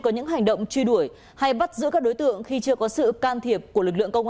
có những hành động truy đuổi hay bắt giữ các đối tượng khi chưa có sự can thiệp của lực lượng công an